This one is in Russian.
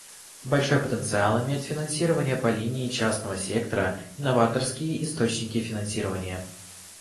Большой потенциал имеют финансирование по линии частного сектора и новаторские источники финансирования.